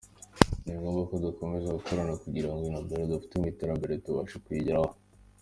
Ni ngombwa ko dukomeza gukorana kugirango intumbero dufite mu iterambere tubashe kuyigeraho.